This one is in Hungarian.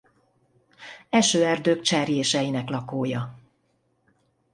Esőerdők cserjéseinek lakója.